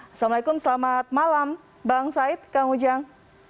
assalamualaikum selamat malam bang said kang ujang